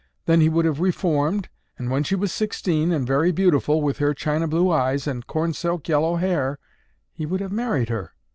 Then he would have reformed, and when she was sixteen and very beautiful with her china blue eyes and corn silk yellow hair, he would have married her."